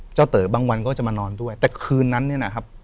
เต๋อบางวันก็จะมานอนด้วยแต่คืนนั้นเนี่ยนะครับ